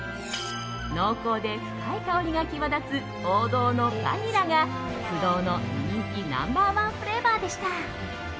濃厚で深い香りが際立つ王道のバニラが不動の人気なナンバー１フレーバーでした。